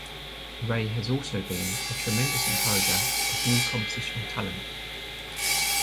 Ray has also been a tremendous encourager of new compositional talent.